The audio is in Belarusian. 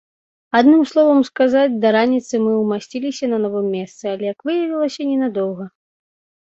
Адным словам сказаць, да раніцы мы ўмасціліся на новым месцы, але, як выявілася, ненадоўга.